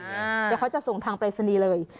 เดี๋ยวเขาจะส่งทางปรายศนีย์เลย